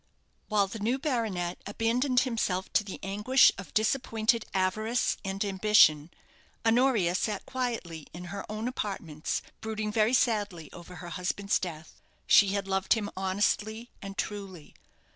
While the new baronet abandoned himself to the anguish of disappointed avarice and ambition, Honoria sat quietly in her own apartments, brooding very sadly over her husband's death. She had loved him honestly and truly.